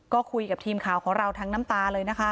ก็คุยกับทีมข่าวของเราทั้งน้ำตาเลยนะคะ